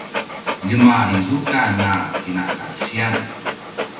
ljemalizukan a kacalisiyan